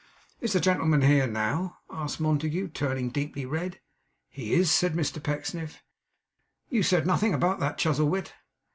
'Is the gentleman here now?' asked Montague, turning deeply red. 'He is,' said Mr Pecksniff. 'You said nothing about that, Chuzzlewit.